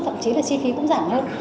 thậm chí là chi phí cũng giảm hơn